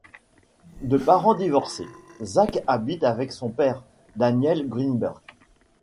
De parents divorcés, zack habite avec son père, Daniel Greenburg.